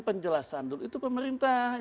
penjelasan dulu itu pemerintah